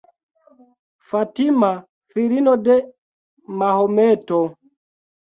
Fatima, filino de Mahometo.